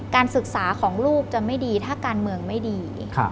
การศึกษาของลูกจะไม่ดีถ้าการเมืองไม่ดี